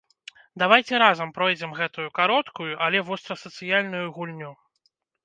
Давайце разам пройдзем гэтую кароткую, але вострасацыяльную гульню.